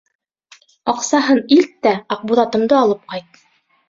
Аҡсаһын илт тә Аҡбуҙатымды алып ҡайт!